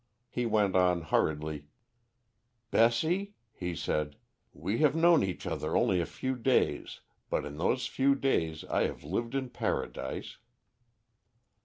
He went on hurriedly "'Bessie,' he said, 'we have known each other only a few days, but in those few days I have lived in Paradise.'